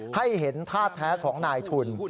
ให้เห็นท่าแท้ของนายทุน